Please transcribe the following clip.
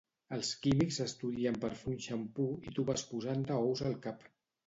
Els químics estudien per fer un xampú i tu vas posant-te ous al cap